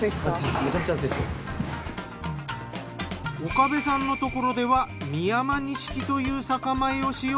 岡部さんのところでは美山錦という酒米を使用。